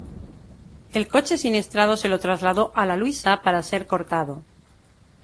El coche siniestrado se lo trasladó a La Luisa para ser cortado.